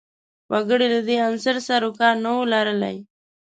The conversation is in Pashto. وګړي له دې عنصر سر و کار نه وي لرلای